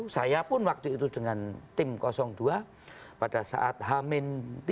saya pun waktu itu dengan tim dua pada saat hamin tiga